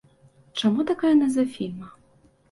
Чаму такая назва фільма?